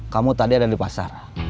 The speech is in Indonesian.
kamu tadi ada di pasar